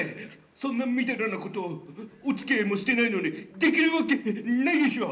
そんなみだらなことお付き合いもしてないのにできるわけないでしょ